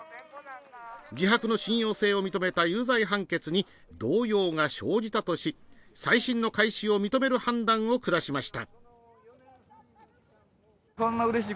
自白の信用性を認めた有罪判決に動揺が生じたとし再審の開始を認める判断を下しました。